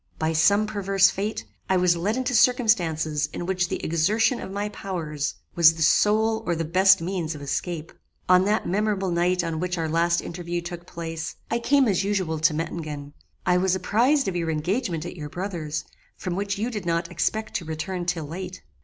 By some perverse fate, I was led into circumstances in which the exertion of my powers was the sole or the best means of escape. "On that memorable night on which our last interview took place, I came as usual to Mettingen. I was apprized of your engagement at your brother's, from which you did not expect to return till late.